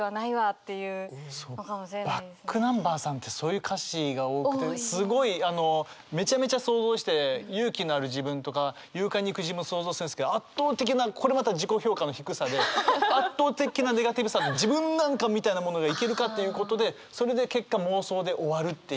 ｂａｃｋｎｕｍｂｅｒさんってそういう歌詞が多くてすごいあのめちゃめちゃ想像して勇気のある自分とか勇敢にいく自分想像するんですけど圧倒的なネガティブさ自分なんかみたいな者がいけるかということでそれで結果妄想で終わるっていう。